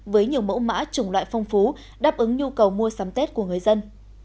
với nhiều mẫu mã chủng loại phong phú đáp ứng nhu cầu mua sắm tết của người dân